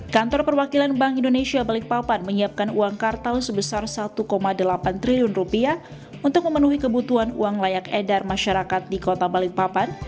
kantor perwakilan bank indonesia balikpapan menyiapkan uang kartal sebesar satu delapan triliun rupiah untuk memenuhi kebutuhan uang layak edar masyarakat di kota balikpapan